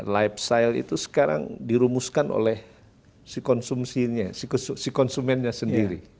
lifestyle itu sekarang dirumuskan oleh si konsumennya sendiri